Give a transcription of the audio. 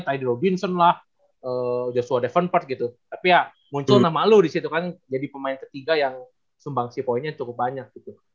tidy robinson lah joshua davenport gitu tapi ya muncul nama lo disitu kan jadi pemain ketiga yang sumbang si poinnya cukup banyak gitu